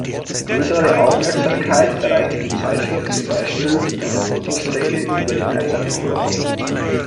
Größere Aufmerksamkeit erreichte die Zeitschrift zum Beispiel mit einer Fotostrecke über den Eisernen Vorhang.